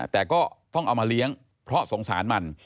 แต่ก็ต้องเอามาเลี้ยงเพราะสงสารมัน